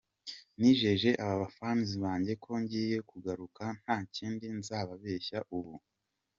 Nijeje aba fans banjye ko ngiye kugaruka nta kindi nzababeshya ubu.